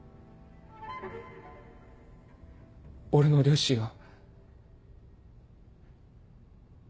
俺の両親は。